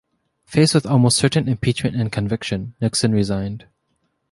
Faced with almost certain impeachment and conviction, Nixon resigned.